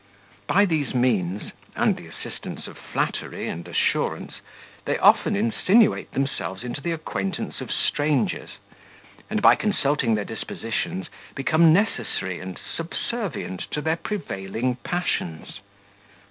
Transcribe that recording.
By these means, and the assistance of flattery and assurance, they often insinuate themselves into the acquaintance of strangers, and, by consulting their dispositions, become necessary and subservient to their prevailing passions.